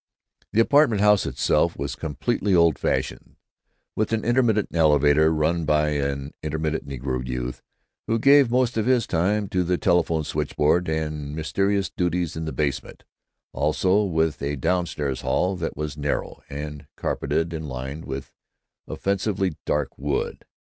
The apartment house itself was comparatively old fashioned, with an intermittent elevator run by an intermittent negro youth who gave most of his time to the telephone switchboard and mysterious duties in the basement; also with a down stairs hall that was narrow and carpeted and lined with offensively dark wood.